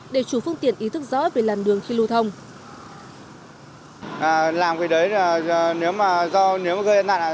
để chủ phương tiện ý thức rõ về làn đường khi lưu thông